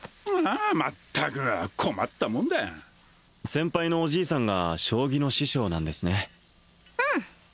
まったく困ったもんだ先輩のおじいさんが将棋の師匠なんですねうん